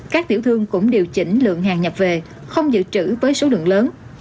các tiểu thương cũng điều chỉnh lượng hàng nhập về không dự trữ với số lượng lớn